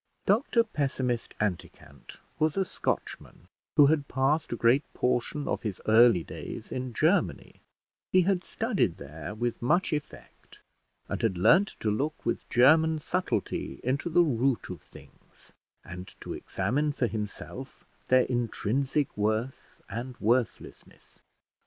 Dr Pessimist Anticant was a Scotchman, who had passed a great portion of his early days in Germany; he had studied there with much effect, and had learnt to look with German subtilty into the root of things, and to examine for himself their intrinsic worth and worthlessness.